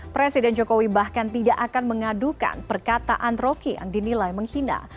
presiden jokowi bahkan tidak akan mengadukan perkataan rocky yang dinilai menghina